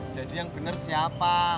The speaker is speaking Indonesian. jadi yang bener siapa